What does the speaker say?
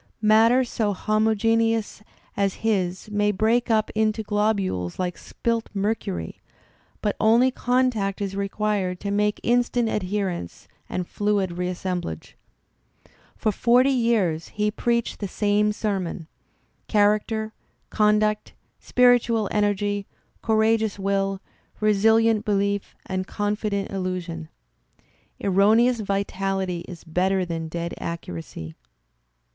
' Matter so homogeneous as his may break up into globules like spilt mercury, but only contact is required to make instant adherence and fluid reassemblage. For forty years | he preached the same sermon — character, conduct, spiritual energy, courageous will, resilient belief and confident illusion. Erroneous vitality is better than dead accuracy.